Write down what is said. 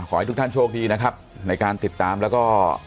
ขอให้ทุกท่านโชคดีนะครับในการติดตามแล้วก็